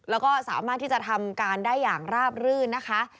แล้วก็สามารถที่จะทำการได้อย่างราบรื่นนะคะ